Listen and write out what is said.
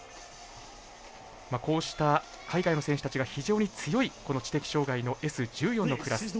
こうした海外の選手たちが非常に強いこの知的障がいのＳ１４のクラス。